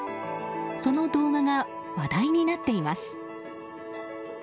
その動画が話題になっています。